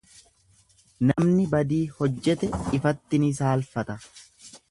Namni badii hojjete ifatti ni saalfata.